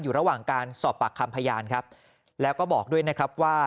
อยู่ระหว่างการสอบปากคำพยานครับแล้วก็บอกด้วยนะครับว่า